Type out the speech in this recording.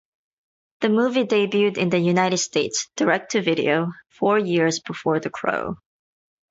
The movie debuted in the United States direct-to-video four years before "The Crow".